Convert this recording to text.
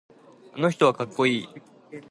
あの人はかっこいい。